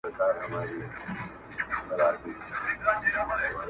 زې منمه ته صاحب د کُل اختیار یې,